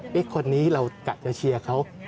เจ้านี้เรากลัวจะเชียร์เขา